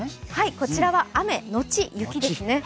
こちらは雨のち雪ですね。